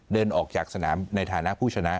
เดินออกจากสนามในฐานะผู้ชนะ